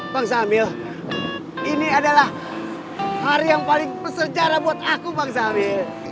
bang samil ini adalah hari yang paling bersejarah buat aku bang samil